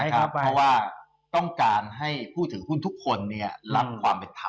เพราะว่าต้องการให้ผู้ถือหุ้นทุกคนรับความเป็นธรรม